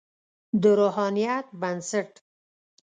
د روحانیت بنسټ.